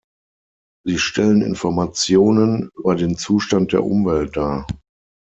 Sie stellen Informationen über den Zustand der Umwelt dar.